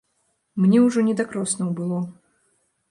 Мне ўжо не да кроснаў было.